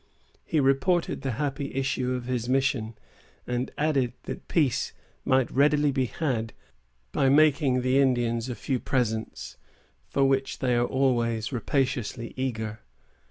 He reported the happy issue of his mission, and added that peace might readily be had by making the Indians a few presents, for which they are always rapaciously eager.